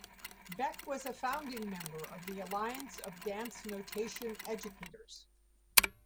Beck was a founding member of the Alliance of Dance Notation Educators.